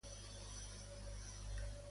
Es va fer alguna altra cosa en el seu honor?